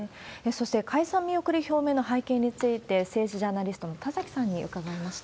そして解散見送り表明の背景について、政治ジャーナリストの田崎さんに伺いました。